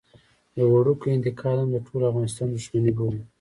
يو وړوکی انتقاد هم د ټول افغانستان دښمني بولي.